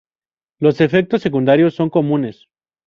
Los efectos secundarios son comunes.